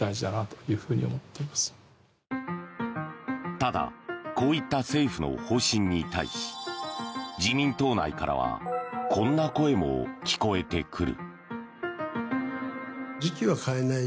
ただこういった政府の方針に対し自民党内からはこんな声も聞こえてくる。